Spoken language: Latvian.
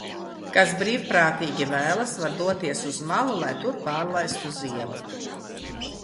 "Kas brīvprātīgi vēlas, var doties uz "malu", lai tur pārlaistu ziemu."